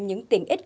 những tiện ích